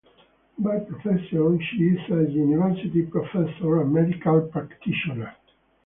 By profession she is a University Professor and medical practitioner.